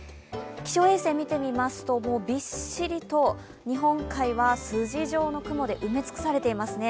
気象衛星を見てみますとびっしりと日本海は筋状の雲で埋め尽くされていますね。